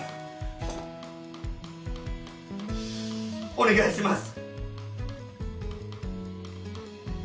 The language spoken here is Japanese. お願いします！